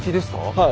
はい。